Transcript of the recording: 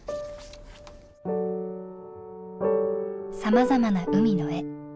さまざまな海の絵。